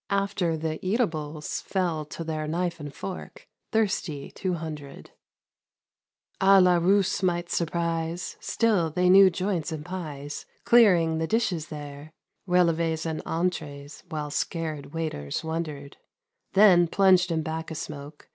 After the eatables Fell to their knife and fork, — Thirsty Two Hundred ! A La Russe might surprise, .Still they knew joints and pies. Clearing the dishes there, Relevi's and entrees, while Scared waiters wondered ; Then, plunged in 'bacca smoke.